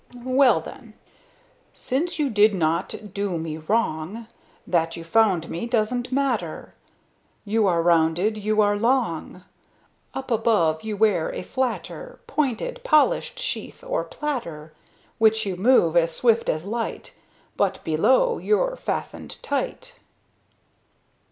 "Well, then: "'Since you did not do me wrong, That you found me, doesn't matter. You are rounded, you are long; Up above you wear a flatter, Pointed, polished sheath or platter Which you move as swift as light, But below you're fastened tight!'"